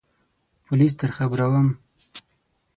پولیس درخبروم !